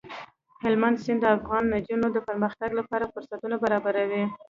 هلمند سیند د افغان نجونو د پرمختګ لپاره فرصتونه برابروي.